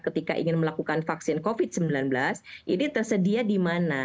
ketika ingin melakukan vaksin covid sembilan belas ini tersedia di mana